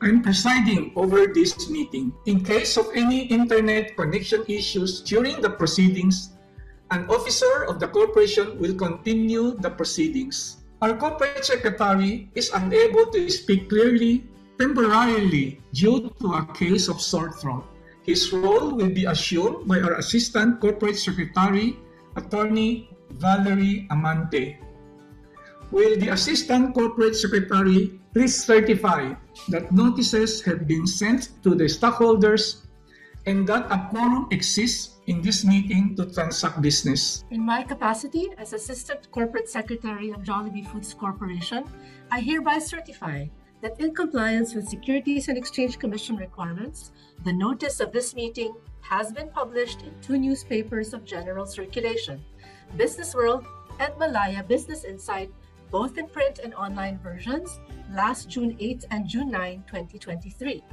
I'm presiding over this meeting. In case of any internet connection issues during the proceedings, an officer of the corporation will continue the proceedings. Our Corporate Secretary is unable to speak clearly temporarily due to a case of sore throat. His role will be assumed by our Assistant Corporate Secretary, Attorney Valerie Amante. Will the Assistant Corporate Secretary please certify that notices have been sent to the stockholders and that a quorum exists in this meeting to transact business? In my capacity as Assistant Corporate Secretary of Jollibee Foods Corporation, I hereby certify that in compliance with Securities and Exchange Commission requirements, the notice of this meeting has been published in two newspapers of general circulation, BusinessWorld and Malaya Business Insight, both in print and online versions, last June 8th and June 9th, 2023.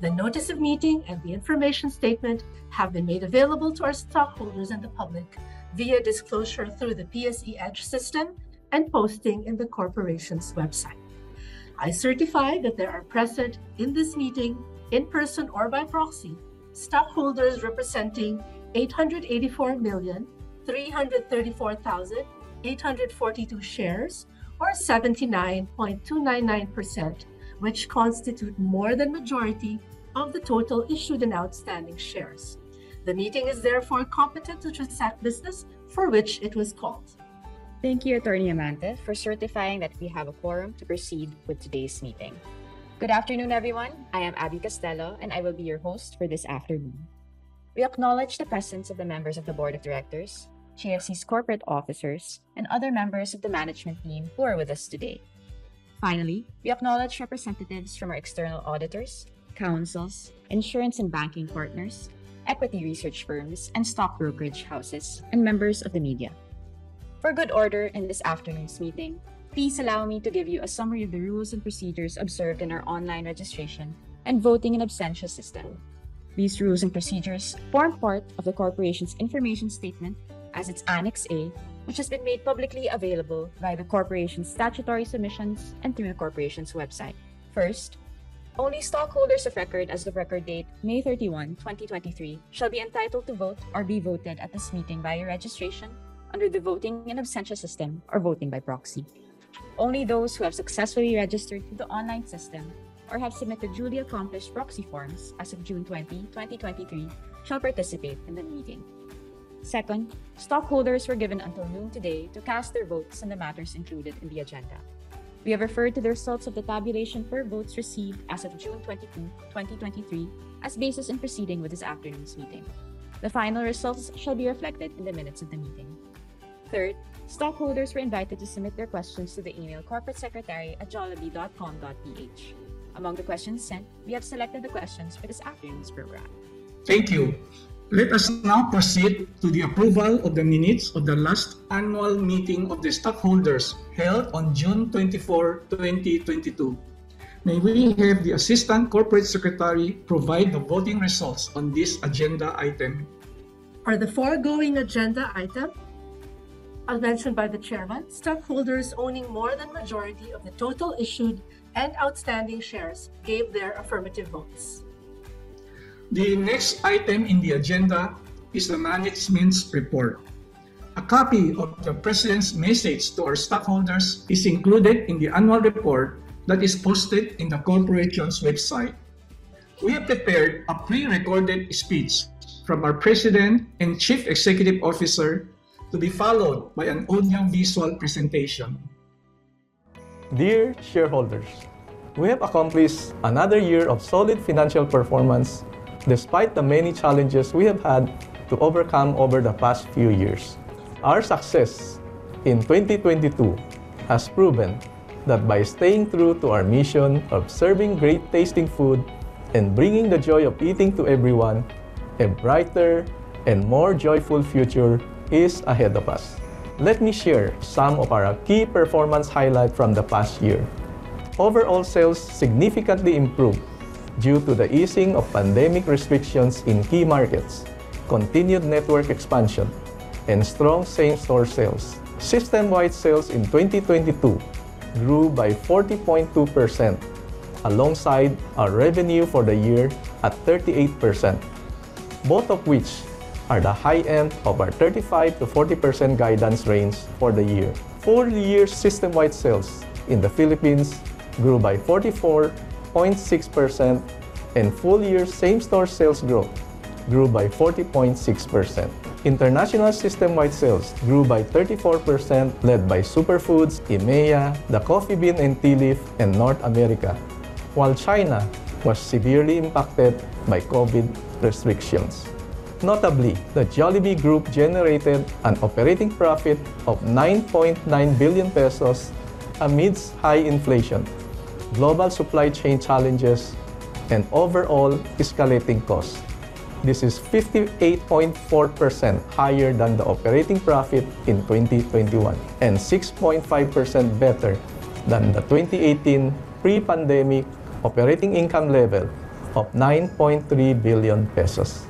The notice of meeting and the information statement have been made available to our stockholders and the public via disclosure through the PSE EDGE system and posting in the corporation's website. I certify that there are present in this meeting, in person or by proxy, stockholders representing 884,334,842 shares, or 79.299%, which constitute more than majority of the total issued and outstanding shares. The meeting is therefore competent to transact business for which it was called. Thank you, Attorney Amante, for certifying that we have a quorum to proceed with today's meeting. Good afternoon, everyone. I am Abby Castello, and I will be your host for this afternoon. We acknowledge the presence of the members of the board of directors, JFC's corporate officers, and other members of the management team who are with us today. Finally, we acknowledge representatives from our external auditors, counsels, insurance and banking partners, equity research firms, and stock brokerage houses, and members of the media. For good order in this afternoon's meeting, please allow me to give you a summary of the rules and procedures observed in our online registration and voting in absentia system. These rules and procedures form part of the corporation's information statement as its Annex A, which has been made publicly available by the corporation's statutory submissions and through the corporation's website. First, only stockholders of record as of record date May 31, 2023, shall be entitled to vote or be voted at this meeting via registration under the voting in absentia system or voting by proxy. Only those who have successfully registered through the online system or have submitted duly accomplished proxy forms as of June 20, 2023, shall participate in the meeting. Second, stockholders were given until noon today to cast their votes on the matters included in the agenda. We have referred to the results of the tabulation for votes received as of June 22, 2023, as basis in proceeding with this afternoon's meeting. The final results shall be reflected in the minutes of the meeting. Third, stockholders were invited to submit their questions to the email corporate secretary@jollibee.com.ph. Among the questions sent, we have selected the questions for this afternoon's program. Thank you. Let us now proceed to the approval of the minutes of the last annual meeting of the stockholders held on June 24, 2022. May we have the Assistant Corporate Secretary provide the voting results on this agenda item? For the foregoing agenda item, as mentioned by the Chairman, stockholders owning more than majority of the total issued and outstanding shares gave their affirmative votes. The next item in the agenda is the management's report. A copy of the President's message to our stockholders is included in the annual report that is posted in the corporation's website. We have prepared a pre-recorded speech from our President and Chief Executive Officer, to be followed by an audio-visual presentation. Dear shareholders, we have accomplished another year of solid financial performance despite the many challenges we have had to overcome over the past few years. Our success in 2022 has proven that by staying true to our mission of serving great-tasting food and bringing the joy of eating to everyone, a brighter and more joyful future is ahead of us. Let me share some of our key performance highlight from the past year. Overall sales significantly improved due to the easing of pandemic restrictions in key markets, continued network expansion, and strong same-store sales. System-wide sales in 2022 grew by 40.2%, alongside our revenue for the year at 38%, both of which are the high end of our 35%-40% guidance range for the year. Full year system-wide sales in the Philippines grew by 44.6%. Full year same-store sales growth grew by 40.6%. International system-wide sales grew by 34%, led by SuperFoods, EMEA, The Coffee Bean & Tea Leaf, and North America, while China was severely impacted by COVID restrictions. Notably, the Jollibee Group generated an operating profit of 9.9 billion pesos amidst high inflation, global supply chain challenges, and overall escalating costs. This is 58.4% higher than the operating profit in 2021, and 6.5% better than the 2018 pre-pandemic operating income level of 9.3 billion pesos.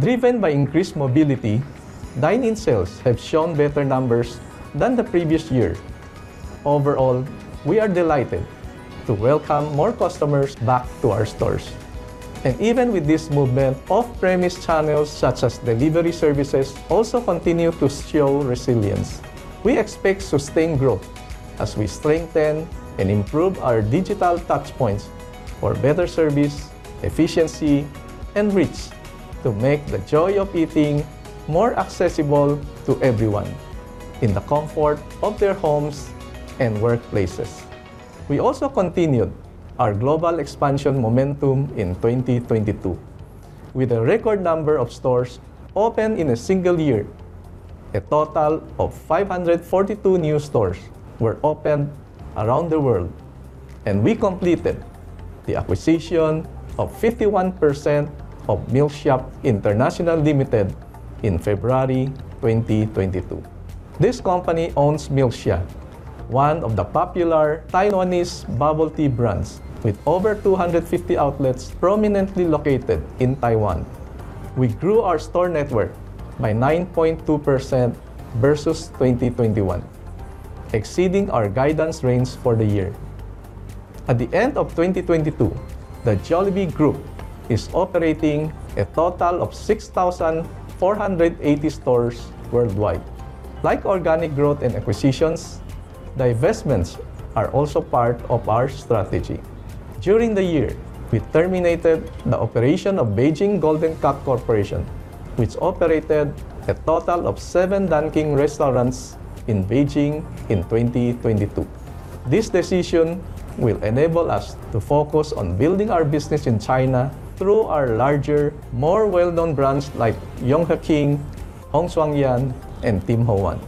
Driven by increased mobility, dine-in sales have shown better numbers than the previous year. Overall, we are delighted to welcome more customers back to our stores. Even with this movement, off-premise channels, such as delivery services, also continue to show resilience. We expect sustained growth as we strengthen and improve our digital touchpoints for better service, efficiency, and reach to make the joy of eating more accessible to everyone in the comfort of their homes and workplaces. We also continued our global expansion momentum in 2022, with a record number of stores opened in a single year. A total of 542 new stores were opened around the world, and we completed the acquisition of 51% of Milkshop International Limited in February 2022. This company owns Milksha, one of the popular Taiwanese bubble tea brands, with over 250 outlets prominently located in Taiwan. We grew our store network by 9.2% versus 2021, exceeding our guidance range for the year. At the end of 2022, the Jollibee Group is operating a total of 6,480 stores worldwide. Like organic growth and acquisitions, divestments are also part of our strategy. During the year, we terminated the operation of Beijing Golden Cup Corporation, which operated a total of seven Dunkin' restaurants in Beijing in 2022. This decision will enable us to focus on building our business in China through our larger, more well-known brands like Yonghe King, Hong Zhuang Yuan, and Tim Ho Wan.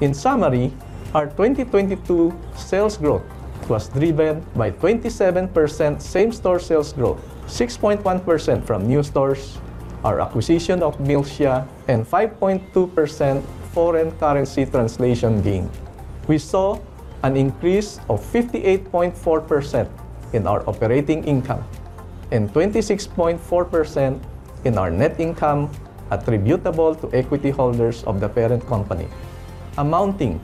In summary, our 2022 sales growth was driven by 27% same-store sales growth, 6.1% from new stores, our acquisition of Milksha, and 5.2% foreign currency translation gain. We saw an increase of 58.4% in our operating income and 26.4% in our net income attributable to equity holders of the parent company, amounting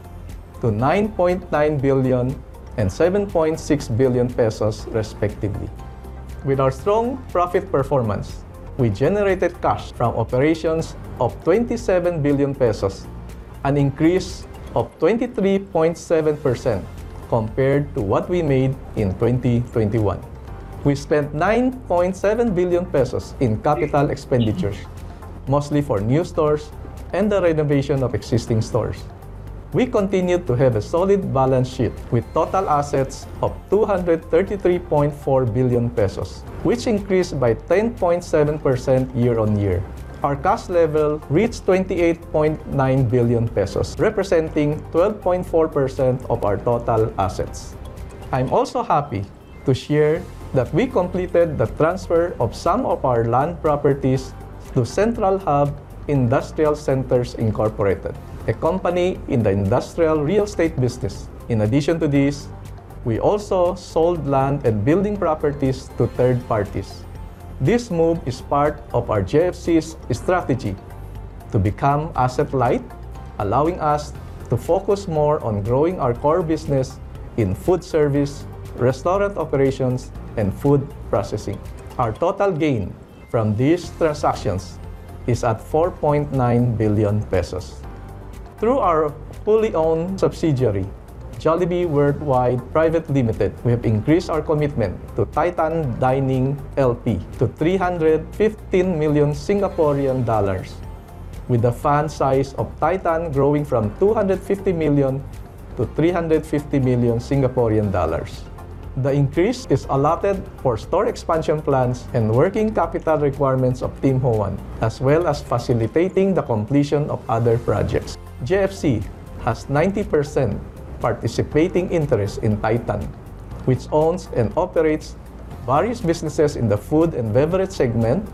to 9.9 billion and 7.6 billion pesos respectively. With our strong profit performance, we generated cash from operations of 27 billion pesos, an increase of 23.7% compared to what we made in 2021. We spent 9.7 billion pesos in CapEx, mostly for new stores and the renovation of existing stores. We continued to have a solid balance sheet, with total assets of 233.4 billion pesos, which increased by 10.7% year-on-year. Our cash level reached 28.9 billion pesos, representing 12.4% of our total assets. I'm also happy to share that we completed the transfer of some of our land properties to CentralHub Industrial Centers Incorporated, a company in the industrial real estate business. In addition to this, we also sold land and building properties to third parties. This move is part of our JFC's strategy to become asset-light, allowing us to focus more on growing our core business in food service, restaurant operations, and food processing. Our total gain from these transactions is at 4.9 billion pesos. Through our fully owned subsidiary, Jollibee Worldwide Private Limited, we have increased our commitment to Titan Dining LP to 315 million dollars, with the fund size of Titan growing from 250 million-350 million dollars. The increase is allotted for store expansion plans and working capital requirements of Tim Ho Wan, as well as facilitating the completion of other projects. JFC has 90% participating interest in Titan, which owns and operates various businesses in the food and beverage segment,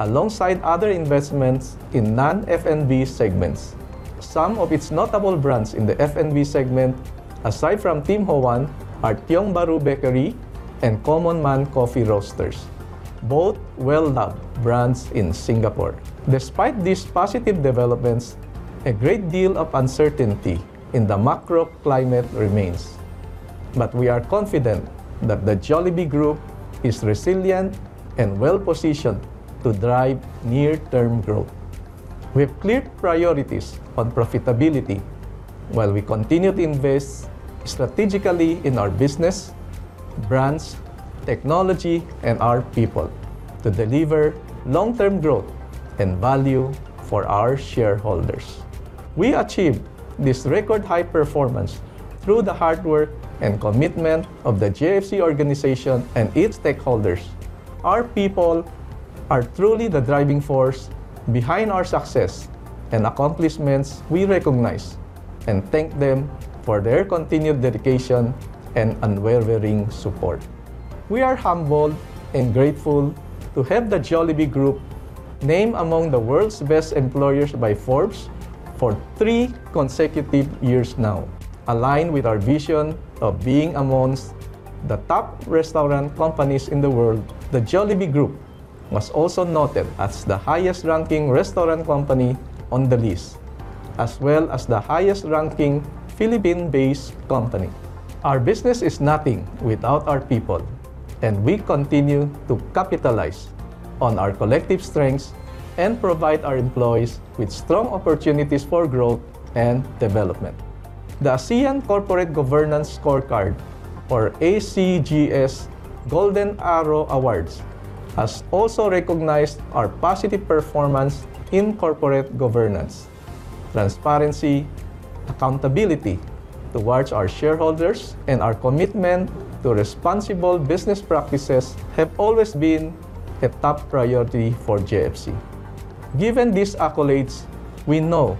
alongside other investments in non-F&B segments. Some of its notable brands in the F&B segment, aside from Tim Ho Wan, are Tiong Bahru Bakery and Common Man Coffee Roasters, both well-loved brands in Singapore. Despite these positive developments, a great deal of uncertainty in the macro climate remains. We are confident that the Jollibee Group is resilient and well-positioned to drive near-term growth. We have clear priorities on profitability, while we continue to invest strategically in our business, brands, technology, and our people to deliver long-term growth and value for our shareholders. We achieved this record-high performance through the hard work and commitment of the JFC organization and its stakeholders. Our people are truly the driving force behind our success and accomplishments. We recognize and thank them for their continued dedication and unwavering support. We are humbled and grateful to have the Jollibee Group named among the world's best employers by Forbes for three consecutive years now, aligned with our vision of being. The top restaurant companies in the world, the Jollibee Group, was also noted as the highest-ranking restaurant company on the list, as well as the highest-ranking Philippine-based company. Our business is nothing without our people, and we continue to capitalize on our collective strengths and provide our employees with strong opportunities for growth and development. The ASEAN Corporate Governance Scorecard, or ACGS Golden Arrow Awards, has also recognized our positive performance in corporate governance, transparency, accountability towards our shareholders, and our commitment to responsible business practices have always been a top priority for JFC. Given these accolades, we know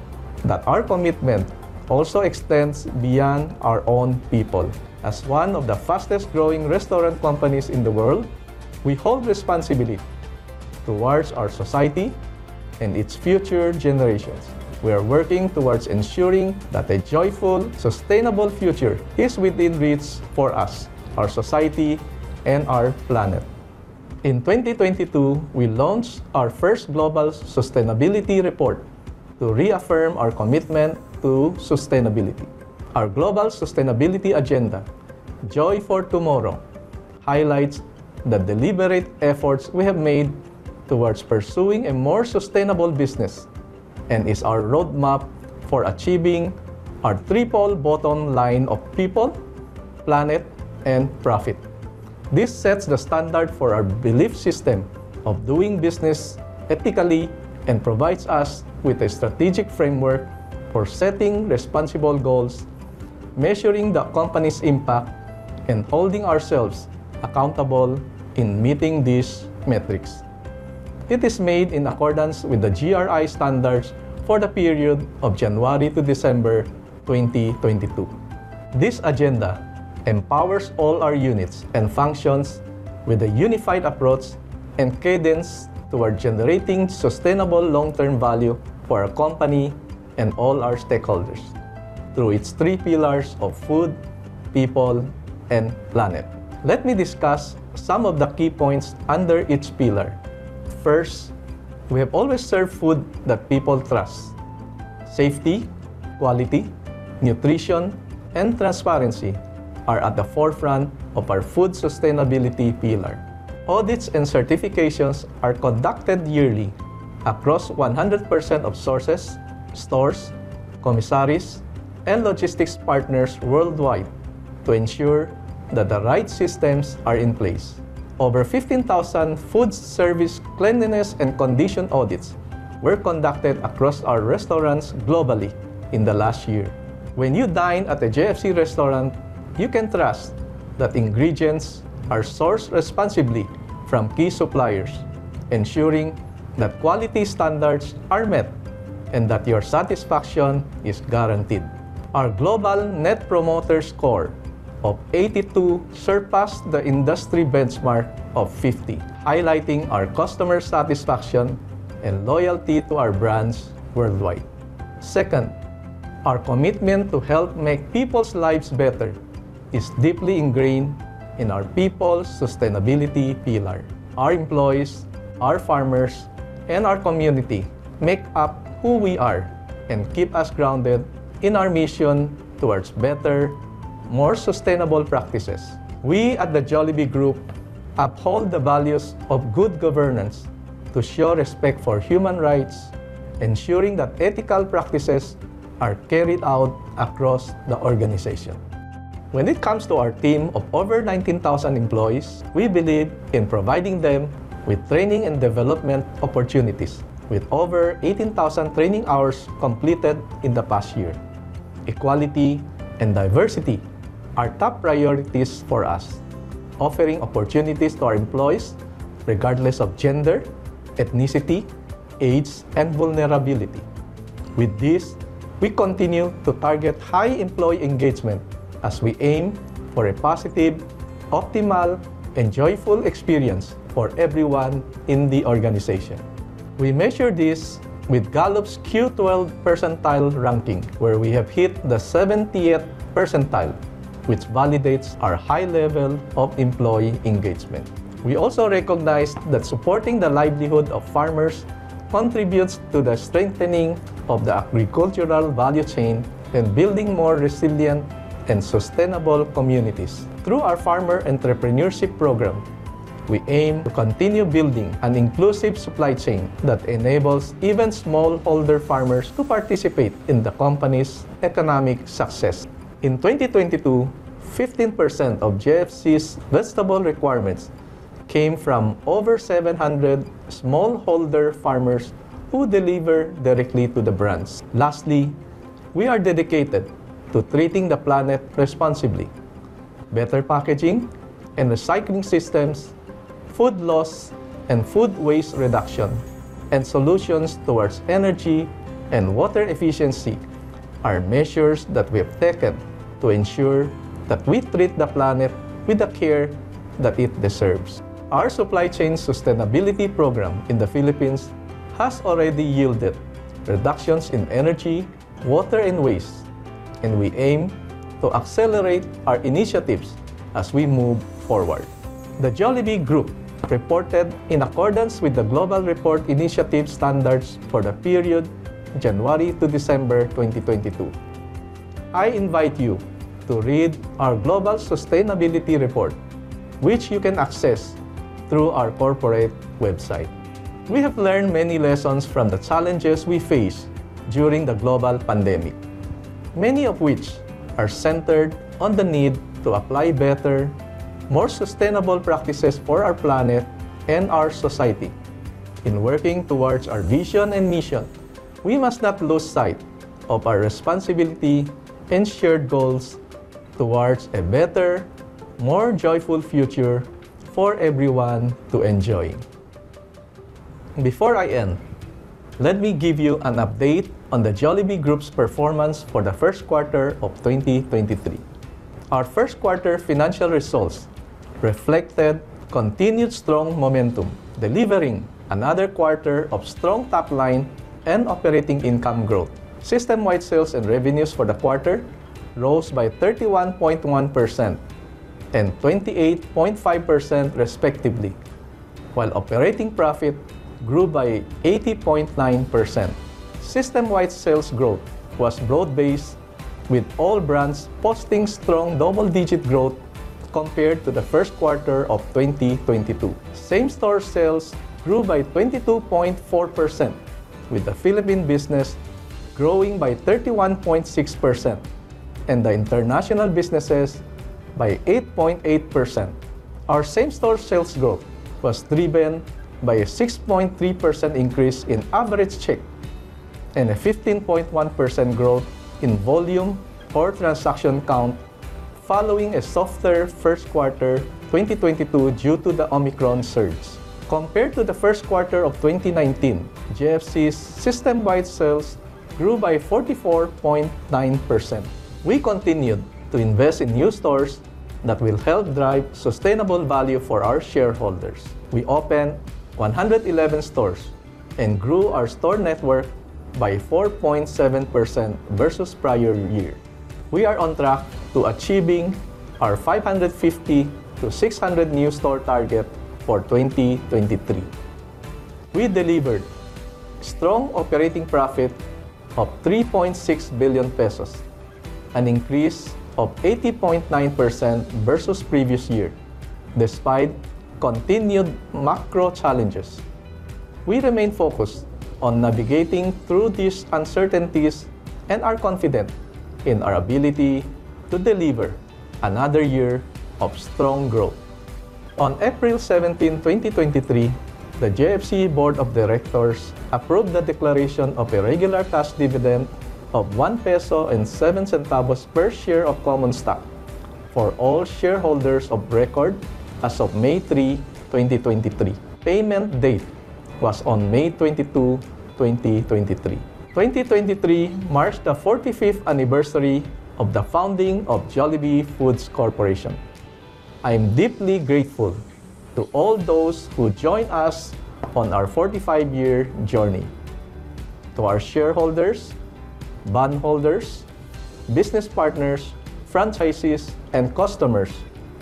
that our commitment also extends beyond our own people. As one of the fastest-growing restaurant companies in the world, we hold responsibility towards our society and its future generations. We are working towards ensuring that a joyful, sustainable future is within reach for us, our society, and our planet. In 2022, we launched our first global sustainability report to reaffirm our commitment to sustainability. Our global sustainability agenda, Joy for Tomorrow, highlights the deliberate efforts we have made towards pursuing a more sustainable business and is our roadmap for achieving our triple bottom line of people, planet, and profit. This sets the standard for our belief system of doing business ethically and provides us with a strategic framework for setting responsible goals, measuring the company's impact, and holding ourselves accountable in meeting these metrics. It is made in accordance with the GRI Standards for the period of January to December 2022. This agenda empowers all our units and functions with a unified approach and cadence towards generating sustainable long-term value for our company and all our stakeholders through its three pillars of Food, People, and Planet. Let me discuss some of the key points under each pillar. First, we have always served food that people trust. Safety, quality, nutrition, and transparency are at the forefront of our food sustainability pillar. Audits and certifications are conducted yearly across 100% of sources, stores, commissaries, and logistics partners worldwide to ensure that the right systems are in place. Over 15,000 food service cleanliness and condition audits were conducted across our restaurants globally in the last year. When you dine at a JFC restaurant, you can trust that ingredients are sourced responsibly from key suppliers, ensuring that quality standards are met and that your satisfaction is guaranteed. Our global net promoter score of 82 surpassed the industry benchmark of 50, highlighting our customer satisfaction and loyalty to our brands worldwide. Second, our commitment to help make people's lives better is deeply ingrained in our people's sustainability pillar. Our employees, our farmers, and our community make up who we are and keep us grounded in our mission towards better, more sustainable practices. We at the Jollibee Group uphold the values of good governance to show respect for human rights, ensuring that ethical practices are carried out across the organization. When it comes to our team of over 19,000 employees, we believe in providing them with training and development opportunities, with over 18,000 training hours completed in the past year. Equality and diversity are top priorities for us, offering opportunities to our employees regardless of gender, ethnicity, age, and vulnerability. With this, we continue to target high employee engagement as we aim for a positive, optimal, and joyful experience for everyone in the organization. We measure this with Gallup's Q12 percentile ranking, where we have hit the 70th percentile, which validates our high level of employee engagement. We also recognize that supporting the livelihood of farmers contributes to the strengthening of the agricultural value chain and building more resilient and sustainable communities. Through our Farmer Entrepreneurship Program, we aim to continue building an inclusive supply chain that enables even smallholder farmers to participate in the company's economic success. In 2022, 15% of JFC's vegetable requirements came from over 700 smallholder farmers who deliver directly to the brands. Lastly, we are dedicated to treating the planet responsibly. Better packaging and recycling systems, food loss and food waste reduction, and solutions towards energy and water efficiency are measures that we have taken to ensure that we treat the planet with the care that it deserves. Our supply chain sustainability program in the Philippines has already yielded reductions in energy, water, and waste, and we aim to accelerate our initiatives as we move forward. The Jollibee Group reported in accordance with the Global Reporting Initiative Standards for the period January to December 2022. I invite you to read our global sustainability report, which you can access through our corporate website. We have learned many lessons from the challenges we faced during the global pandemic, many of which are centered on the need to apply better, more sustainable practices for our planet and our society. In working towards our vision and mission, we must not lose sight of our responsibility and shared goals towards a better, more joyful future for everyone to enjoy. Before I end, let me give you an update on the Jollibee Group's performance for the first quarter of 2023. Our first quarter financial results reflected continued strong momentum, delivering another quarter of strong top line and operating income growth. System-wide sales and revenues for the quarter rose by 31.1% and 28.5% respectively, while operating profit grew by 80.9%. System-wide sales growth was broad-based, with all brands posting strong double-digit growth compared to the first quarter of 2022. Same-store sales grew by 22.4%, with the Philippine business growing by 31.6% and the international businesses by 8.8%. Our same-store sales growth was driven by a 6.3% increase in average check and a 15.1% growth in volume or transaction count following a softer first quarter 2022 due to the Omicron surge. Compared to the first quarter of 2019, JFC's system-wide sales grew by 44.9%. We continued to invest in new stores that will help drive sustainable value for our shareholders. We opened 111 stores and grew our store network by 4.7% versus prior year. We are on track to achieving our 550 to 600 new store target for 2023. We delivered strong operating profit of 3.6 billion pesos, an increase of 80.9% versus previous year, despite continued macro challenges. We remain focused on navigating through these uncertainties and are confident in our ability to deliver another year of strong growth. On April 17, 2023, the JFC Board of Directors approved the declaration of a regular cash dividend of 1.07 peso per share of common stock for all shareholders of record as of May 3, 2023. Payment date was on May 22, 2023. 2023 marks the 45th anniversary of the founding of Jollibee Foods Corporation. I am deeply grateful to all those who joined us on our 45-year journey. To our shareholders, bondholders, business partners, franchisees, and customers,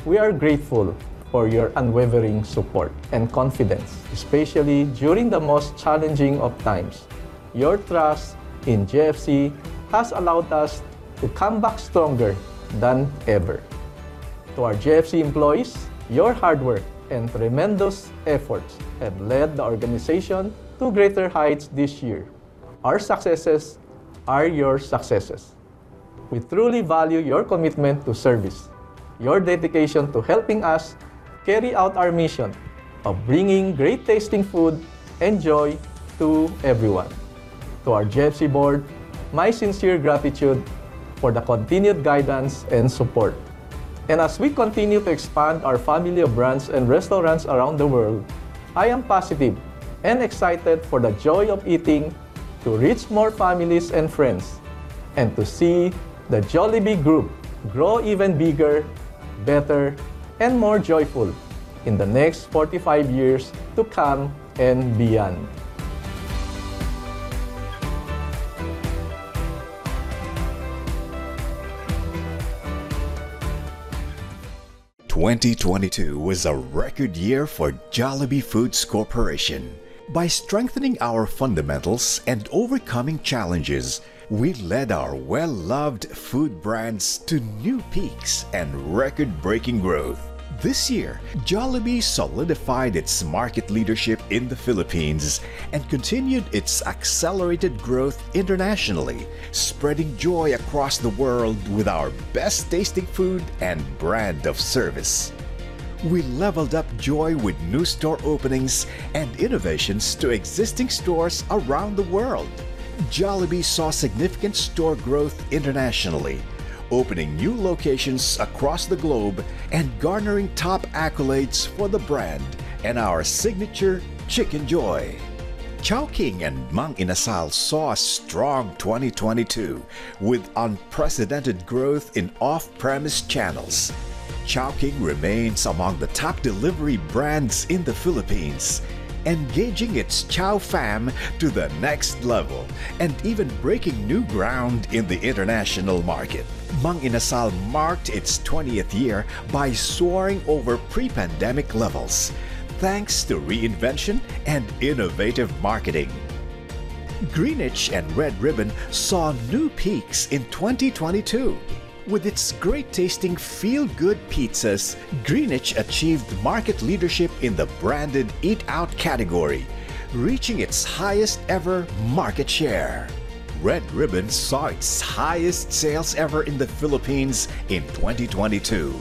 we are grateful for your unwavering support and confidence, especially during the most challenging of times. Your trust in JFC has allowed us to come back stronger than ever. To our JFC employees, your hard work and tremendous efforts have led the organization to greater heights this year. Our successes are your successes. We truly value your commitment to service, your dedication to helping us carry out our mission of bringing great-tasting food and joy to everyone. To our JFC board, my sincere gratitude for the continued guidance and support. As we continue to expand our family of brands and restaurants around the world, I am positive and excited for the joy of eating to reach more families and friends, and to see the Jollibee Group grow even bigger, better, and more joyful in the next 45 years to come and beyond. 2022 was a record year for Jollibee Foods Corporation. By strengthening our fundamentals and overcoming challenges, we led our well-loved food brands to new peaks and record-breaking growth. This year, Jollibee solidified its market leadership in the Philippines and continued its accelerated growth internationally, spreading joy across the world with our best-tasting food and brand of service. We leveled up joy with new store openings and innovations to existing stores around the world. Jollibee saw significant store growth internationally, opening new locations across the globe and garnering top accolades for the brand and our signature Chickenjoy. Chowking and Mang Inasal saw a strong 2022, with unprecedented growth in off-premise channels. Chowking remains among the top delivery brands in the Philippines, engaging its Chow Fam to the next level and even breaking new ground in the international market. Mang Inasal marked its 20th year by soaring over pre-pandemic levels, thanks to reinvention and innovative marketing. Greenwich and Red Ribbon saw new peaks in 2022. With its great-tasting, feel-good pizzas, Greenwich achieved market leadership in the branded eat-out category, reaching its highest-ever market share. Red Ribbon saw its highest sales ever in the Philippines in 2022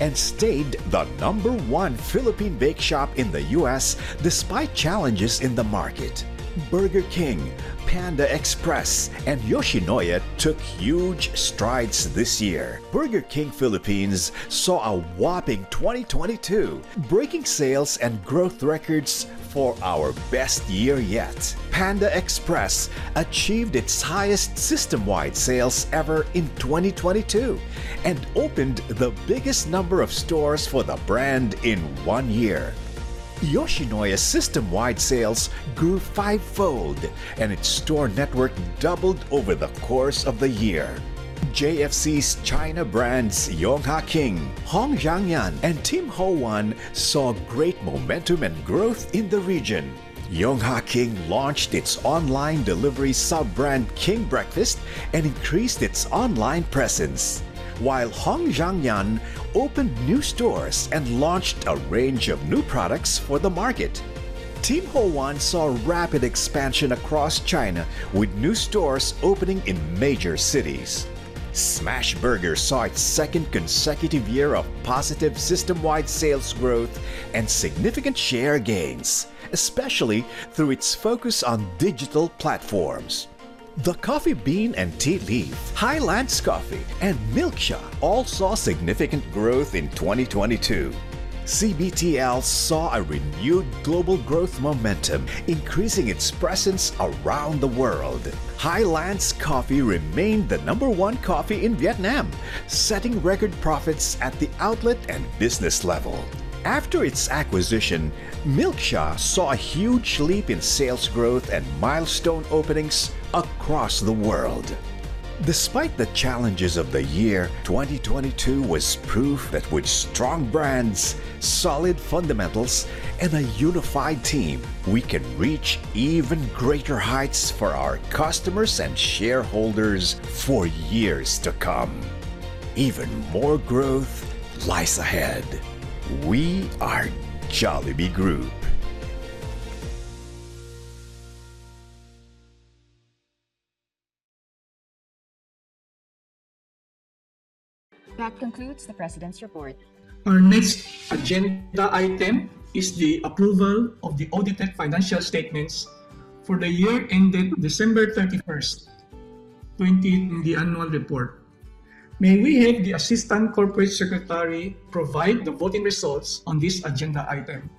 and stayed the number one Philippine bakeshop in the U.S. despite challenges in the market. Burger King, Panda Express, and Yoshinoya took huge strides this year. Burger King Philippines saw a whopping 2022, breaking sales and growth records for our best year yet. Panda Express achieved its highest system-wide sales ever in 2022 and opened the biggest number of stores for the brand in one year. Yoshinoya system-wide sales grew five-fold, and its store network doubled over the course of the year. JFC's China brands, Yonghe King, Hong Zhuang Yuan, and Tim Ho Wan, saw great momentum and growth in the region. Yonghe King launched its online delivery sub-brand, King Breakfast, and increased its online presence, while Hong Zhuang Yuan opened new stores and launched a range of new products for the market. Tim Ho Wan saw rapid expansion across China, with new stores opening in major cities. Smashburger saw its second consecutive year of positive system-wide sales growth and significant share gains, especially through its focus on digital platforms. The Coffee Bean & Tea Leaf, Highlands Coffee, and Milksha all saw significant growth in 2022. CBTL saw a renewed global growth momentum, increasing its presence around the world. Highlands Coffee remained the number one coffee in Vietnam, setting record profits at the outlet and business level. After its acquisition, Milksha saw a huge leap in sales growth and milestone openings across the world. Despite the challenges of the year, 2022 was proof that with strong brands, solid fundamentals, and a unified team, we can reach even greater heights for our customers and shareholders for years to come. Even more growth lies ahead. We are Jollibee Group. That concludes the President's report. Our next agenda item is the approval of the audited financial statements for the year ended December 31st, 2020, in the annual report. May we have the Assistant Corporate Secretary provide the voting results on this agenda item?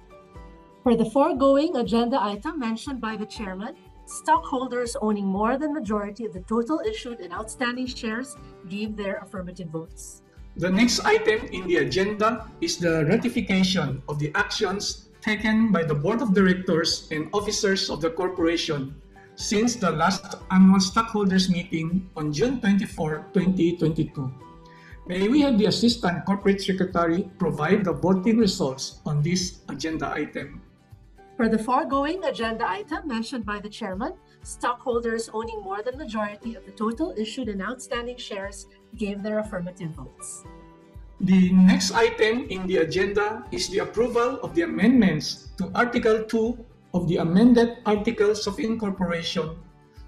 For the foregoing agenda item mentioned by the Chairman, stockholders owning more than majority of the total issued and outstanding shares gave their affirmative votes. The next item in the agenda is the ratification of the actions taken by the Board of Directors and officers of the corporation since the last Annual Stockholders' Meeting on June 24, 2022. May we have the Assistant Corporate Secretary provide the voting results on this agenda item? For the foregoing agenda item mentioned by the Chairman, stockholders owning more than majority of the total issued and outstanding shares gave their affirmative votes. The next item in the agenda is the approval of the amendments to Article II of the amended Articles of Incorporation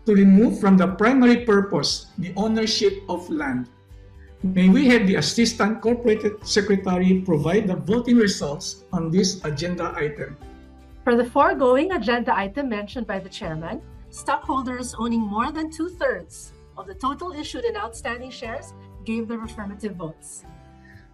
to remove from the primary purpose the ownership of land. May we have the Assistant Corporate Secretary provide the voting results on this agenda item? For the foregoing agenda item mentioned by the Chairman, stockholders owning more than two-thirds of the total issued and outstanding shares gave their affirmative votes.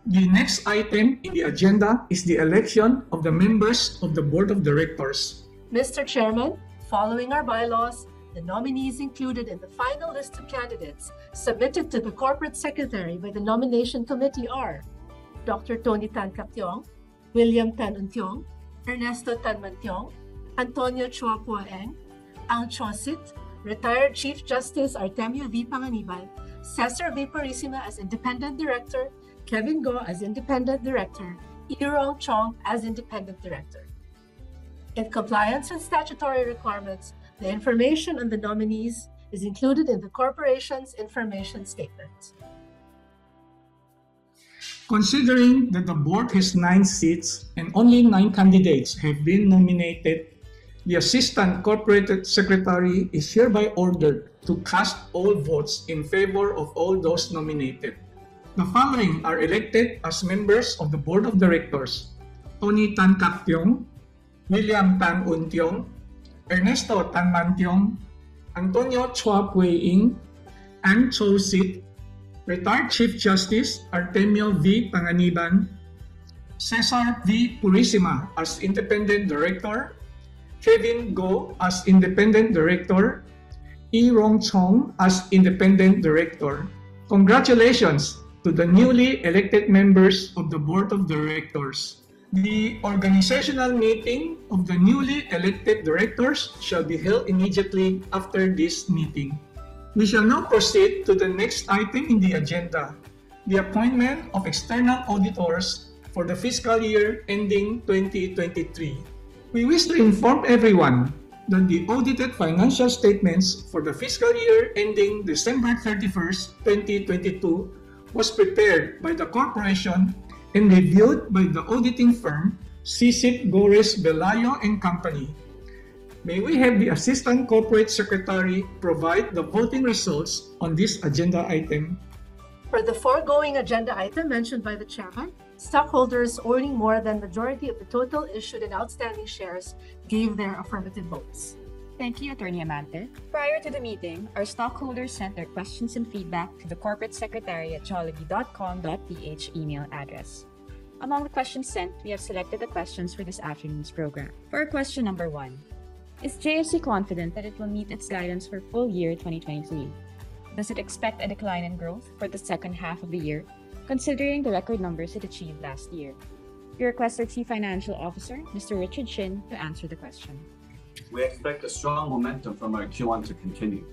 The next item in the agenda is the election of the members of the Board of Directors. Mr. Chairman, following our bylaws, the nominees included in the final list of candidates submitted to the Corporate Secretary by the Nomination Committee are Dr. Tony Tan Caktiong, William Tan Untiong, Ernesto Tanmantiong, Antonio Chua Poe Eng, Ang Cho Sit, Retired Chief Justice Artemio V. Panganiban, Cesar V. Purisima as Independent Director, Kevin Goh as Independent Director, Ee Rong Chong as Independent Director. In compliance with statutory requirements, the information on the nominees is included in the Corporation's information statement. Considering that the Board has nine seats and only nine candidates have been nominated, the Assistant Corporate Secretary is hereby ordered to cast all votes in favor of all those nominated. The following are elected as members of the Board of Directors: Tony Tan Caktiong, William Tan Untiong, Ernesto Tanmantiong, Antonio Chua Poe Eng, Ang Cho Sit, Retired Chief Justice Artemio V. Panganiban...... Cesar V. Purisima as Independent Director, Kevin Goh as Independent Director, Ee Rong Chong as Independent Director. Congratulations to the newly elected members of the Board of Directors. The organizational meeting of the newly elected directors shall be held immediately after this meeting. We shall now proceed to the next item in the agenda, the appointment of external auditors for the fiscal year ending 2023. We wish to inform everyone that the audited financial statements for the fiscal year ending December 31st, 2022, was prepared by the corporation and reviewed by the auditing firm SyCip Gorres Velayo & Co. May we have the Assistant Corporate Secretary provide the voting results on this agenda item? For the foregoing agenda item mentioned by the Chairman, stockholders owning more than majority of the total issued and outstanding shares gave their affirmative votes. Thank you, Attorney Amante. Prior to the meeting, our stockholders sent their questions and feedback to the corporatesecretary@jollibee.com.ph email address. Among the questions sent, we have selected the questions for this afternoon's program. For question number 1: Is JFC confident that it will meet its guidance for full year 2023? Does it expect a decline in growth for the second half of the year, considering the record numbers it achieved last year? We request our Chief Financial Officer, Mr. Richard Shin, to answer the question. We expect a strong momentum from our Q1 to continue.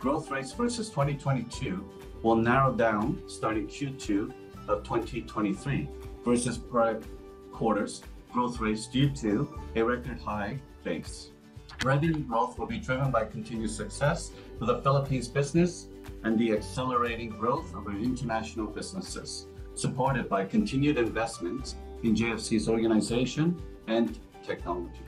Growth rates versus 2022 will narrow down starting Q2 of 2023 versus prior quarters' growth rates due to a record high base. Revenue growth will be driven by continued success for the Philippines business and the accelerating growth of our international businesses, supported by continued investments in JFC's organization and technology.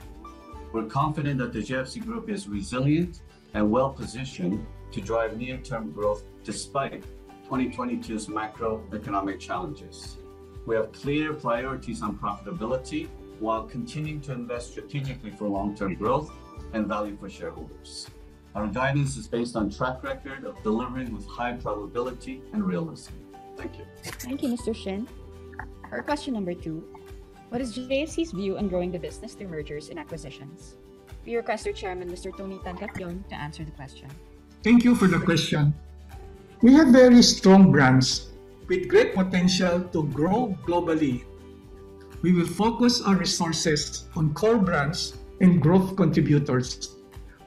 We're confident that the JFC group is resilient and well-positioned to drive near-term growth despite 2022's macroeconomic challenges. We have clear priorities on profitability while continuing to invest strategically for long-term growth and value for shareholders. Our guidance is based on track record of delivering with high probability and realism. Thank you. Thank you, Mr. Shin. For question number two: What is JFC's view on growing the business through mergers and acquisitions? We request our Chairman, Mr. Tony Tan Caktiong, to answer the question. Thank you for the question. We have very strong brands with great potential to grow globally. We will focus our resources on core brands and growth contributors,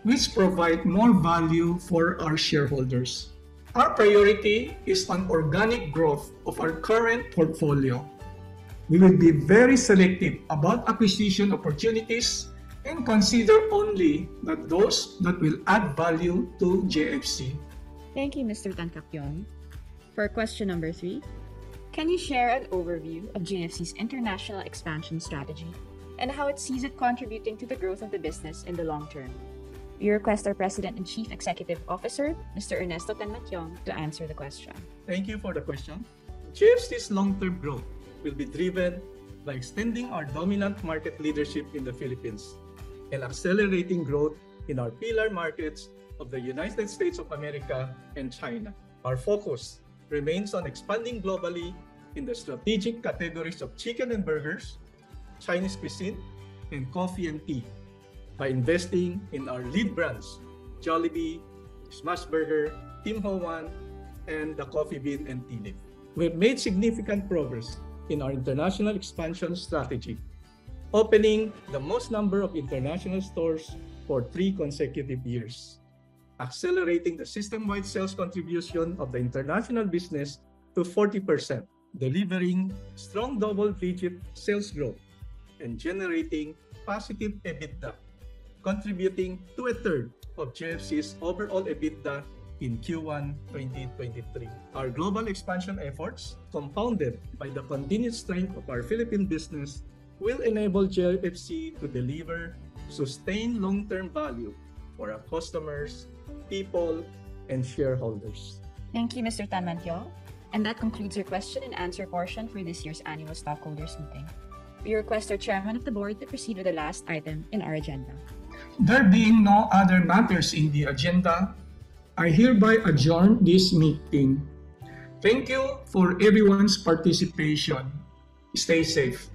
which provide more value for our shareholders. Our priority is on organic growth of our current portfolio. We will be very selective about acquisition opportunities and consider only that those that will add value to JFC. Thank you, Mr. Tan Caktiong. For question number 3: Can you share an overview of JFC's international expansion strategy and how it sees it contributing to the growth of the business in the long term? We request our President and Chief Executive Officer, Mr. Ernesto Tanmantiong, to answer the question. Thank you for the question. JFC's long-term growth will be driven by extending our dominant market leadership in the Philippines and accelerating growth in our pillar markets of the United States of America and China. Our focus remains on expanding globally in the strategic categories of chicken and burgers, Chinese cuisine, and coffee and tea by investing in our lead brands: Jollibee, Smashburger, Tim Ho Wan, and The Coffee Bean & Tea Leaf. We've made significant progress in our international expansion strategy, opening the most number of international stores for three consecutive years, accelerating the system-wide sales contribution of the international business to 40%, delivering strong double-digit sales growth, and generating positive EBITDA, contributing to 1/3 of JFC's overall EBITDA in Q1 2023. Our global expansion efforts, compounded by the continued strength of our Philippine business, will enable JFC to deliver sustained long-term value for our customers, people, and shareholders. Thank you, Mr. Tan Caktiong, and that concludes our question and answer portion for this year's annual stockholders meeting. We request our Chairman of the Board to proceed with the last item in our agenda. There being no other matters in the agenda, I hereby adjourn this meeting. Thank you for everyone's participation. Stay safe.